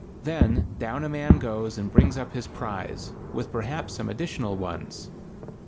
Then down a man goes and brings up his prize, with perhaps some additional ones.